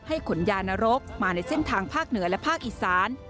ขนยานรกมาในเส้นทางภาคเหนือและภาคอีสาน